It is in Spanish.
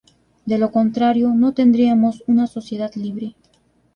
De lo contrario no tendríamos una sociedad libre.